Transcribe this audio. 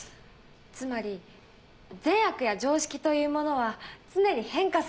つまり善悪や常識というものは常に変化する。